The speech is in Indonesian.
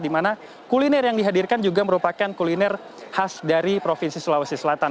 dimana kuliner yang dihadirkan juga merupakan kuliner khas dari provinsi sulawesi selatan